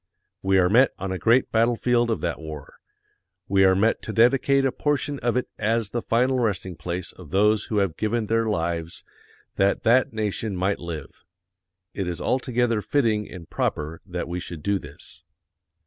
We are met on a great battlefield of that war. We are met to dedicate a portion of it as the final resting place of those who have given their lives that that nation might live. It is altogether fitting and proper that we should do this.